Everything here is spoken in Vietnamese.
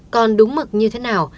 còn đúng mực như thế nào